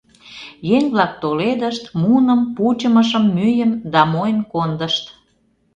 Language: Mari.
Еҥ-влак толедышт, муным, пучымышым, мӱйым да мойн кондышт.